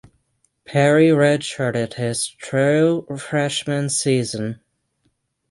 Perry redshirted his true freshman season.